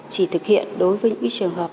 chỉ thực hiện đối với những trường hợp